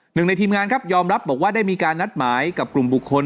หนึ่งในทีมงานครับยอมรับบอกว่าได้มีการนัดหมายกับกลุ่มบุคคล